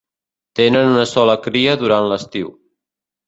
Tenen una sola cria durant l'estiu.